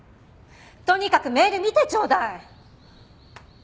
とにかくメール見てちょうだい！